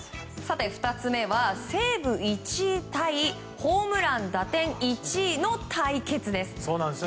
２つ目はセーブ１位対ホームラン、打点１位の対決です。